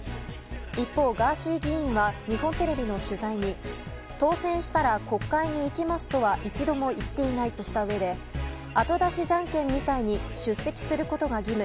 一方、ガーシー議員は日本テレビの取材に当選したら国会に行きますとは一度も言っていないとしたうえで後出しじゃんけんみたいに出席することが義務